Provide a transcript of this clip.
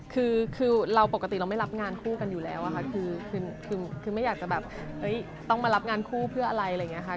คือเราปกติเราไม่รับงานคู่กันอยู่แล้วอะค่ะคือไม่อยากจะแบบต้องมารับงานคู่เพื่ออะไรอะไรอย่างนี้ค่ะ